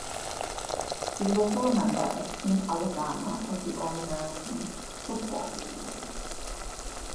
He was also a member of Team Alabama of the All American Football League.